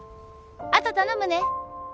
あと頼むね。